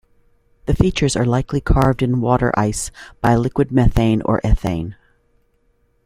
The features are likely carved in water ice by liquid methane or ethane.